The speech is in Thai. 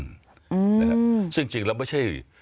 อืมซึ่งจริงแล้วไม่ใช่